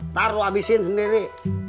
ntar lo abisin sendiri